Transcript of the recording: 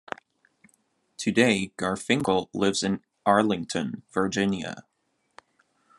Today Garfinkel lives in Arlington, Virginia.